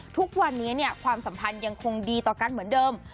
ทุกวันนี้ความสัมพันธ์ยังคงดีต่อกันเหมือนเดิม